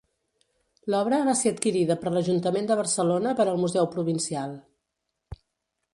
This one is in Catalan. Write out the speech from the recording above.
L'obra va ser adquirida per l'Ajuntament de Barcelona per al Museu Provincial.